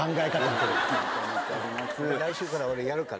来週から俺やるから。